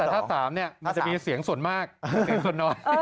แต่ถ้า๓เนี่ยมันจะมีเสียงส่วนมากเสียงส่วนน้อย